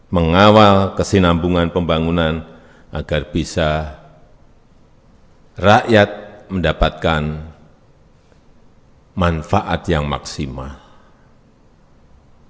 mengawal kesinambungan pembangunan agar bisa rakyat mendapatkan manfaat yang maksimal